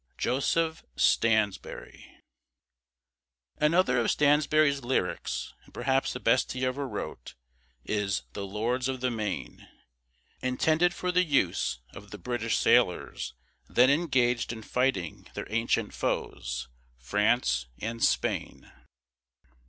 JOSEPH STANSBURY. Another of Stansbury's lyrics, and perhaps the best he ever wrote, is "The Lords of the Main," intended for the use of the British sailors then engaged in fighting their ancient foes, France and Spain.